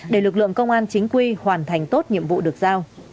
để lực lượng công an chính quy hoàn thành tốt nhiệm vụ được giao